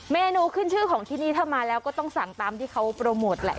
เมนูขึ้นชื่อของที่นี่ถ้ามาแล้วก็ต้องสั่งตามที่เขาโปรโมทแหละ